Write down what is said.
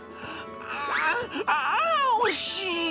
あぁ、あぁ、惜しい！